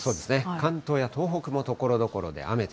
関東や東北もところどころで雨と。